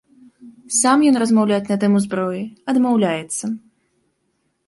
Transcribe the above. Сам ён размаўляць на тэму зброі адмаўляецца.